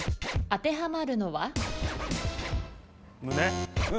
当てはまるのは？